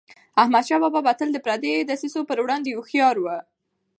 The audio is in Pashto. احمدشاه بابا به تل د پردیو دسیسو پر وړاندي هوښیار و.